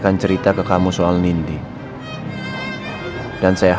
antar tu stral yang enak